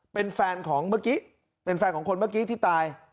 เป็นแฟนของเมื่อกี้เป็นแฟนของคนเมื่อกี้ที่ตาย